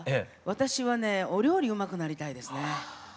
私はねえお料理うまくなりたいですね。